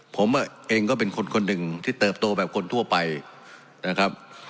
ผมเองก็เป็นคนคนหนึ่งที่เติบโตแบบคนทั่วไปนะครับ